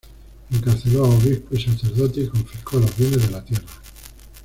Encarceló a obispos y sacerdotes y confiscó los bienes de la tierra.